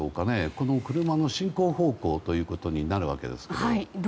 この車の進行方向ということになるわけですけど。